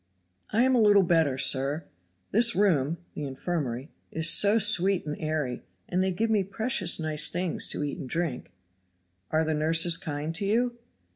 "I am a little better, sir. This room (the infirmary) is so sweet and airy, and they give me precious nice things to eat and drink." "Are the nurses kind to you?"